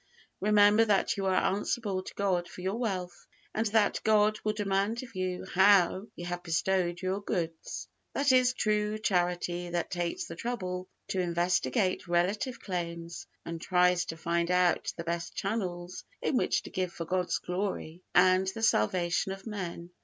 Remember that you are answerable to God for your wealth, and that God will demand of you HOW you have bestowed your goods." That is true Charity that takes the trouble to investigate relative claims, and tries to find out the best channels in which to give for God's glory and the salvation of men.